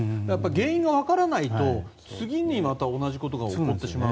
原因がわからないと次にまた同じことが起こってしまう。